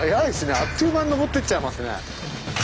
あっという間に登ってっちゃいますね。